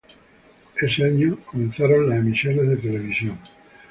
Ese año comenzaron las emisiones de televisión.